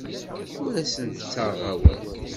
Ur asen-ttaɣeɣ awal.